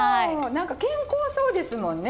何か健康そうですもんね